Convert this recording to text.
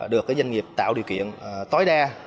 được các doanh nghiệp tạo điều kiện tối đa